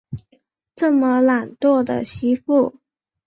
这么懒惰的媳妇